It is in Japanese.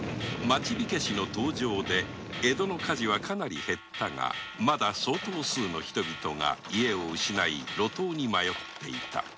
町火消しの登場で江戸の火事はかなり減ったがまだ相当数の人々が家を失い路頭に迷っていた。